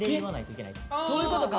そういうことか。